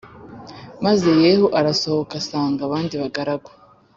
Maze Yehu arasohoka asanga abandi bagaragu